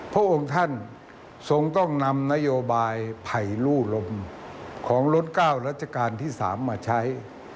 พระองค์ท่านทรงต้องนำนโยบายไผ่ลู่ลมของล้น๙รัชกาลที่๓มาใช้